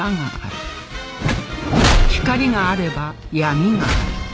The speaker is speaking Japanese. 光があれば闇がある